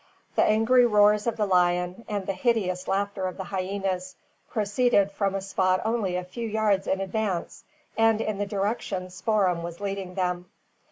The angry roars of the lion, and the hideous laughter of the hyenas, proceeded from a spot only a few yards in advance, and in the direction Spoor'em was leading them.